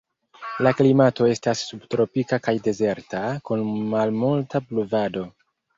La klimato estas subtropika kaj dezerta, kun malmulta pluvado.